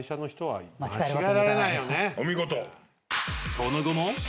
［その後も］